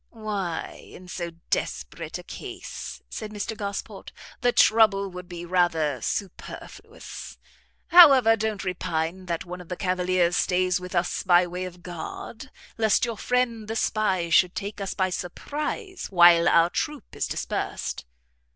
"Why in so desperate a case," said Mr Gosport, "the trouble would be rather superfluous. However, don't repine that one of the cavaliers stays with us by way of guard, lest your friend the spy should take us by surprize while our troop is dispersed."